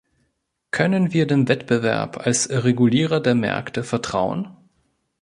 Können wir dem Wettbewerb als Regulierer der Märkte vertrauen?